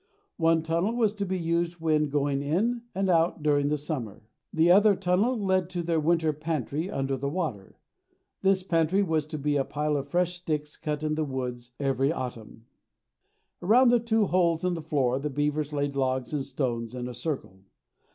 One tunnel was to be used when going in and out during the summer. The other tunnel led to their winter pantry under the water. This pantry was to be a pile of fresh sticks cut in the woods every autumn. Around the two holes in the floor the beavers laid logs and stones in a circle.